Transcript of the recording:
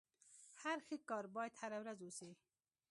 هر ښه کار بايد هره ورځ وسي.